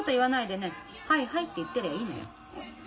はいはいって言ってりゃいいのよ。